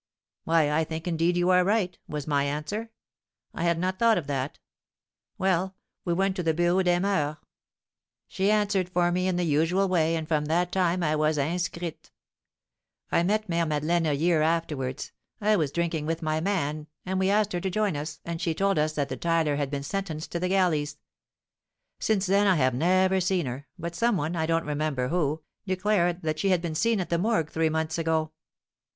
'Why, I think indeed you are right,' was my answer; 'I had not thought of that.' Well, we went to the Bureau des Moeurs. She answered for me, in the usual way, and from that time I was inscrite. I met Mère Madeleine a year afterwards. I was drinking with my man, and we asked her to join us, and she told us that the tiler had been sentenced to the galleys. Since then I have never seen her, but some one, I don't remember who, declared that she had been seen at the Morgue three months ago.